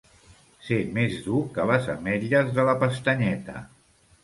Ser més dur que les ametlles de la pestanyeta.